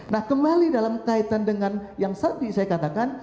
nah kembali dalam kaitan dengan yang tadi saya katakan